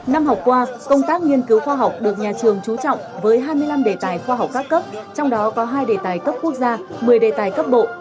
năm học qua công tác nghiên cứu khoa học được nhà trường trú trọng với hai mươi năm đề tài khoa học các cấp trong đó có hai đề tài cấp quốc gia một mươi đề tài cấp bộ